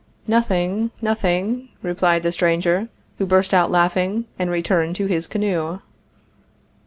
"Nothing, nothing," replied the stranger, who burst out laughing, and returned to his canoe.